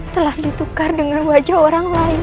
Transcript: telah ditukar dengan wajah orang lain